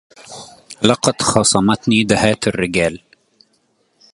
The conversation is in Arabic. لقد خاصمتني دهاة الرجال